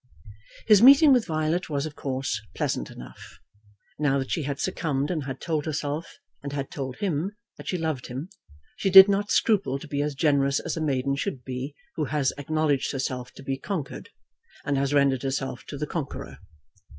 His meeting with Violet was of course pleasant enough. Now that she had succumbed, and had told herself and had told him that she loved him, she did not scruple to be as generous as a maiden should be who has acknowledged herself to be conquered, and has rendered herself to the conqueror.